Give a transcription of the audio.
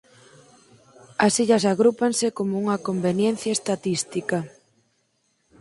As illas agrúpanse como unha conveniencia estatística.